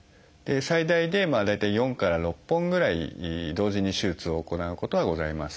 最大で大体４から６本ぐらい同時に手術を行うことはございます。